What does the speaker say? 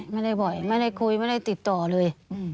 ไม่ได้บ่อยไม่ได้คุยไม่ได้ติดต่อเลย